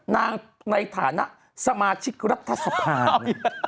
ในฐานะสมาชิกรัฐสภา